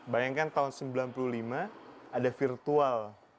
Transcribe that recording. bayangkan tahun seribu sembilan ratus sembilan puluh lima ada virtual